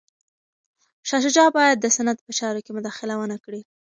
شاه شجاع باید د سند په چارو کي مداخله ونه کړي.